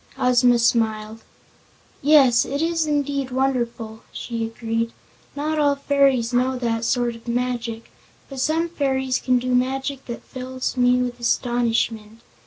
Ozma smiled. "Yes, it is indeed wonderful," she agreed. "Not all fairies know that sort of magic, but some fairies can do magic that fills me with astonishment.